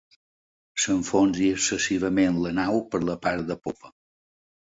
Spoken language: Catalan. S'enfonsi excessivament la nau per la part de popa.